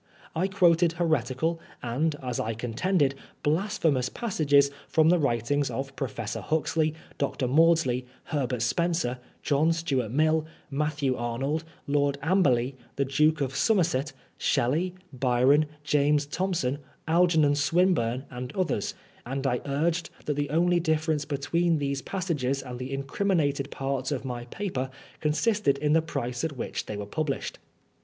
Iquoted heretical, and, as I contended, blasphemous passages from the writings of Professor Huxley, Dr. Maudsley, Herbert Spencer, John Stuart Mill, Matthew Arnold, Lord Amberly, the Duke of Somerset, Shelley, Byron, James Thom son, Algernon Swinburne, and others ; and I urged that the only difference between these passages and the incriminated parts of my paper consisted in the price at which they were published.